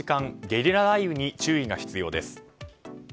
ゲリラ雷雨に注意が必要です。